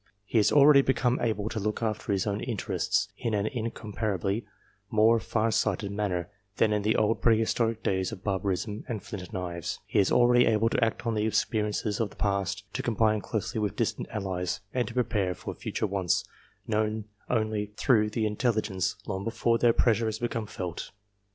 He has already become able to look after his own interests in an incomparably more far sighted manner, than in the old pre historic days of barbarism and flint knives ; he is already able to act on the experiences of the past, to combine closely with distant allies, and to prepare for future wants, known only through the intelligence, long before their pressure has become felt.